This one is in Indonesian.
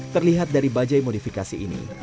terlihat dari bajai modifikasi ini